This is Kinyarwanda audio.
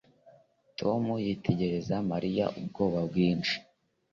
Tom yitegereza Mariya ubwoba bwinshi